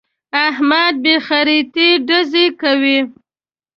احمد بې خريطې ډزې کوي.